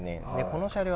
この車両